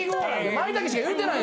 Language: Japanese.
まいたけしか言うてない。